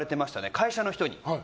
会社の人に。